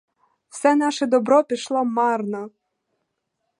Все наше добро пішло марно.